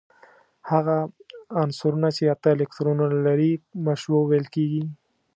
هغه عنصرونه چې اته الکترونونه لري مشبوع ویل کیږي.